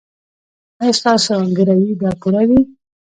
ایا ستاسو ګروي به پوره وي؟